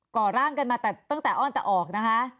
่อร่างกันมาตั้งแต่อ้อนแต่ออกนะคะ